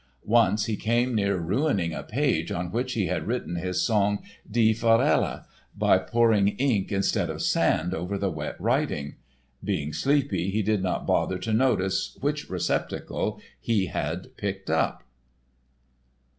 Once he came near ruining a page on which he had written his song Die Forelle by pouring ink instead of sand over the wet writing; being sleepy, he did not bother to notice which receptacle he had picked up.